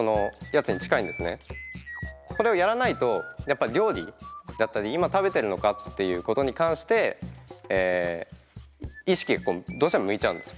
これをやらないとやっぱり料理だったり今食べてるのかっていうことに関して意識がどうしても向いちゃうんです。